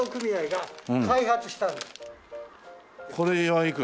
これはいくら？